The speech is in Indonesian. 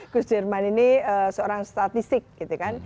gus jerman ini seorang statistik gitu kan